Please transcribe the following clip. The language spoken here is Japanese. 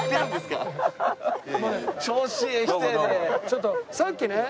ちょっとさっきね